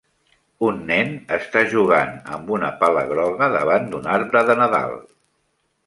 Un nen està jugant amb una pala groga davant d'un arbre de nadal.